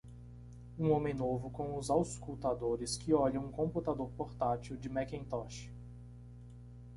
Um homem novo com os auscultadores que olham um computador portátil de Macintosh.